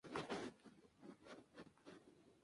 No tenían asientos donde sentarse.